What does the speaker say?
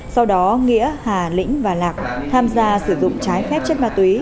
sau đó nghĩa hà lĩnh và lạc tham gia sử dụng trái phép chất ma túy